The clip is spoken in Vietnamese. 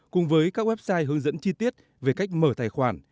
cùng với các website hướng dẫn chi tiết về cách mở tài khoản